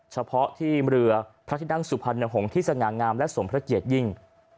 เฉพาะที่เรือพระที่นั่งสุพรรณหงษ์ที่สง่างามและสมพระเกียรติยิ่ง